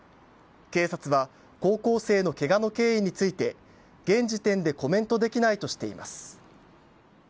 警察は高校生のケガの経緯について現時点でコメントできないとしています。